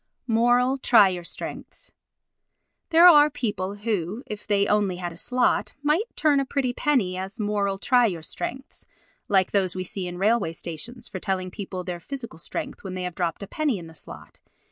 Moral Try Your Strengths There are people who, if they only had a slot, might turn a pretty penny as moral try your strengths, like those we see in railway stations for telling people their physical strength when they have dropped a penny in the slot.